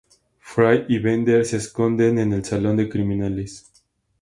Fry y Bender se esconden en el salón de criminales.